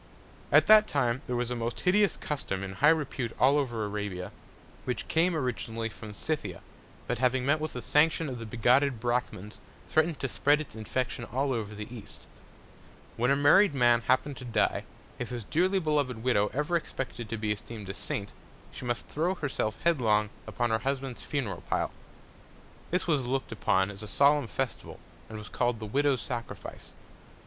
At that Time there was a most hideous Custom in high Repute all over Arabia, which came originally from Scythia; but having met with the Sanction of the bigotted Brachmans, threatn'd to spread its Infection all over the East. When a married Man happen'd to die, if his dearly beloved Widow ever expected to be esteem'd a Saint, she must throw herself headlong upon her Husband's Funeral Pile. This was look'd upon as a solemn Festival, and was call'd the Widow's Sacrifice.